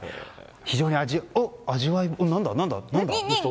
非常に味わい深い何だ？